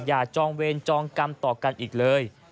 จองเวรจองกรรมต่อกันอีกเลย